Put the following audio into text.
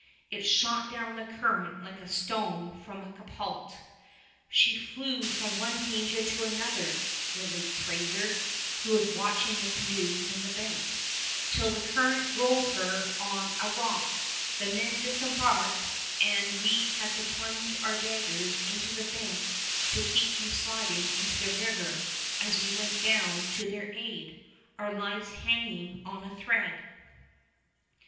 It shot down the current like a stone from a catapult. "She flew from one danger to another," relates Fraser, who was watching the canoe from the bank, "till the current drove her on a rock. The men disembarked, and we had to plunge our daggers into the bank to keep from sliding into the river as we went down to their aid, our lives hanging on a thread."